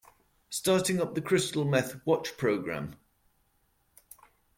Starting up the Crystal Meth Watch Program...